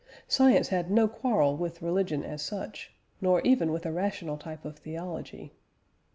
Science had no quarrel with religion as such, nor even with a rational type of theology.